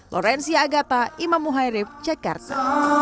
lorenzi agata imam muhairif cekarta